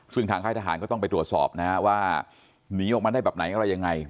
ซึ่งทางค่ายทหารก็ต้องไปตรวจสอบนะฮะว่าหนีออกมาได้แบบไหนอะไรยังไง